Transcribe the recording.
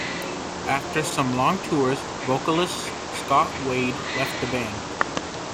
After some long tours, vocalist Scott Wade left the band.